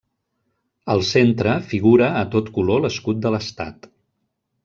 Al centre figura a tot color l'escut de l'estat.